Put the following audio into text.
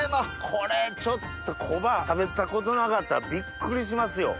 これちょっとコバは食べたことなかったらビックリしますよ。